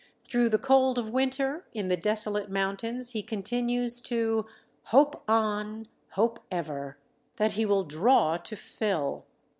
Through the cold of winter in the desolate mountains, he continues to "Hope on, hope ever," that he will "draw to fill."